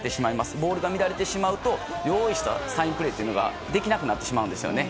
ボールが乱れてしまうと用意されたプレーができなくなってしまうんですね。